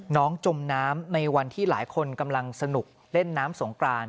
จมน้ำในวันที่หลายคนกำลังสนุกเล่นน้ำสงกราน